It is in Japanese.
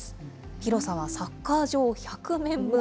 広さはサッカー場１００面分。